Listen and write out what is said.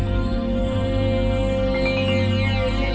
senang terasa ini tidak bebas